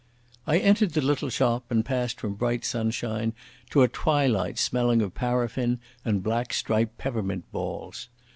I entered the little shop, and passed from bright sunshine to a twilight smelling of paraffin and black striped peppermint balls.